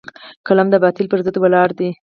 قلم د باطل پر ضد ولاړ دی